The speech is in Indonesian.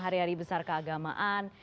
hari hari besar keagamaan